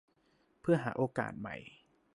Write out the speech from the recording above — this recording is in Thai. เพื่อหาโอกาสใหม่